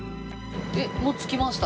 もう着きました。